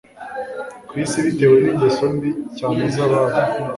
ku isi bitewe n’ingeso mbi cyane z’abari